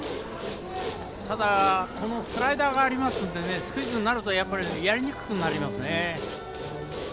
ただこのスライダーがありますのでスクイズになるとやりにくくなりますよね。